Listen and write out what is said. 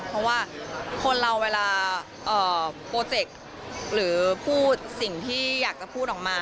เพราะว่าคนเราเวลาโปรเจกต์หรือพูดสิ่งที่อยากจะพูดออกมา